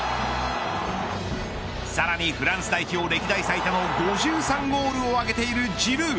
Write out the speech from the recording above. さらにフランス代表歴代最多の５３ゴールを挙げているジルー。